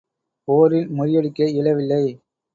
போரில் முறியடிக்க இயலவில்லை.